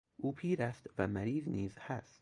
او پیر است و مریض نیز هست.